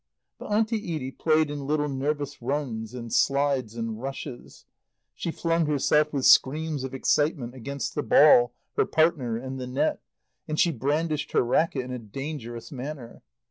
But Auntie Edie played in little nervous runs and slides and rushes; she flung herself, with screams of excitement, against the ball, her partner and the net; and she brandished her racket in a dangerous manner.